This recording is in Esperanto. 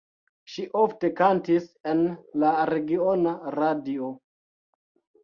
Ŝi ofte kantis en la regiona radio.